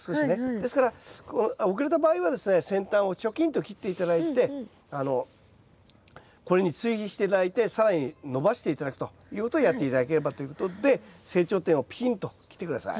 ですから遅れた場合はですね先端をチョキンと切って頂いてこれに追肥して頂いて更に伸ばして頂くということをやって頂ければということで成長点をピキンと切って下さい。